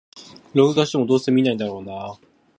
録画しても、どうせ観ないんだろうなあ